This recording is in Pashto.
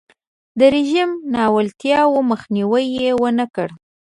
د رژیم ناولتیاوو مخنیوی یې ونکړ.